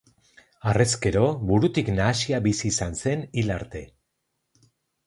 Harrezkero, burutik nahasia bizi izan zen hil arte.